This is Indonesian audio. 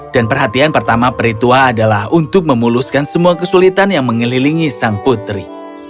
dan perhatian pertama peritua adalah untuk memuluskan semua kesulitan yang mengelilingi sang putri